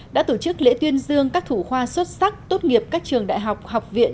đã tổ chức lễ tuyên dương các thủ khoa xuất sắc tốt nghiệp các trường đại học học viện